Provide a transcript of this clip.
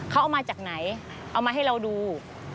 เขาเอามาจากไหนเอามาให้เราดู